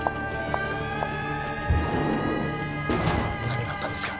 何があったんですか！？